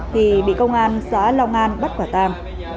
thì bị công an xã long an bắt quả tang